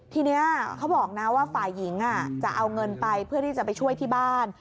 ทีนี้เขาบอกนะว่าฝ่ายหญิงจะเอาเงินไปเพื่อที่จะไปช่วยที่บ้าน